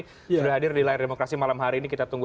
sudah hadir di layar demokrasi malam hari ini kita tunggu